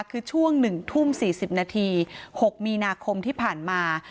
คือช่วง๑ทุ่ม๔๐นาที๖มีนาคมที่ผ่านมา